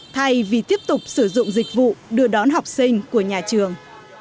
thay vì tiếp tục sử dụng dịch vụ đưa đón học sinh của nhà trường